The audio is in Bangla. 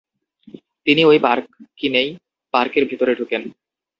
তিনি ওই পার্ক কিনেই পার্কের ভেতরে ঢোকেন।